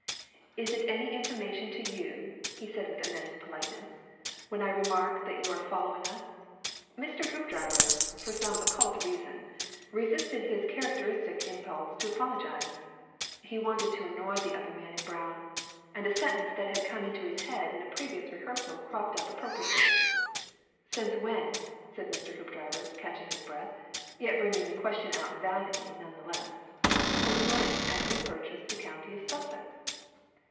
"Is it any information to you," he said, with immense politeness, "when I remark that you are following us?" Mr. Hoopdriver, for some occult reason, resisted his characteristic impulse to apologise. He wanted to annoy the other man in brown, and a sentence that had come into his head in a previous rehearsal cropped up appropriately. "Since when," said Mr. Hoopdriver, catching his breath, yet bringing the question out valiantly, nevertheless, "since when 'ave you purchased the county of Sussex?"